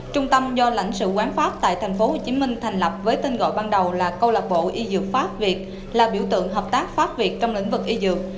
trung tâm do lãnh sự quán pháp tại tp hcm thành lập với tên gọi ban đầu là câu lạc bộ y dược pháp việt là biểu tượng hợp tác pháp việt trong lĩnh vực y dược